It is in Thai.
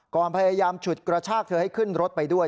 ก่อนพยายามฉุดกระชากเธอให้ขึ้นรถไปด้วย